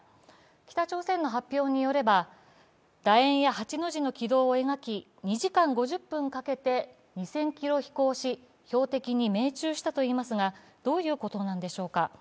北朝鮮の発表によれば、楕円や８の字の軌道を描き、２時間５０分かけて２０００ｋｍ飛行し標的に命中したといいますがどういうことなんでしょうか。